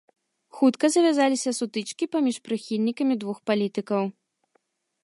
Хутка завязаліся сутычкі паміж прыхільнікамі двух палітыкаў.